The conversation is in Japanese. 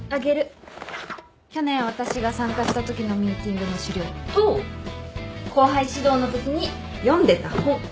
去年私が参加したときのミーティングの資料と後輩指導のときに読んでた本。